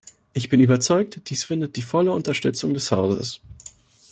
Ich bin überzeugt, dies findet die volle Unterstützung des Hauses.